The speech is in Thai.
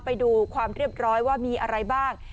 ไปดูความเรียบร้อยว่ามีอะไรบ้าง